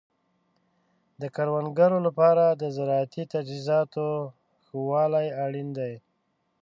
د کروندګرو لپاره د زراعتي تجهیزاتو ښه والی اړین دی.